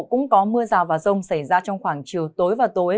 cũng có mưa rào và rông xảy ra trong khoảng chiều tối và tối